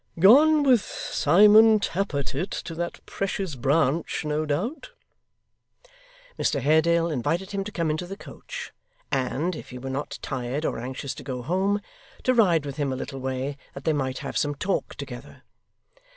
'Gone with Simon Tappertit to that precious Branch, no doubt.' Mr Haredale invited him to come into the coach, and, if he were not tired or anxious to go home, to ride with him a little way that they might have some talk together.